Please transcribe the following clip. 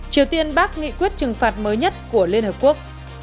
triều tiên bác nghị quyết trừng phạt mới nhất của liên hợp quốc